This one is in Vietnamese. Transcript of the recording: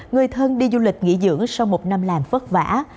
người thân đi du lịch nghỉ dưỡng sau một năm làm phất vả